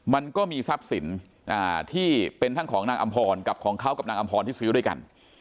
มันก็มีทรัพย์สินที่เป็นทั้งของนางอำพรกับของเขากับนางอำพรที่ซื้อด้วยกัน